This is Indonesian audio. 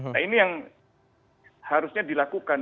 nah ini yang harusnya dilakukan